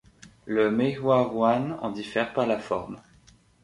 Le meihuaruan en diffère par la forme.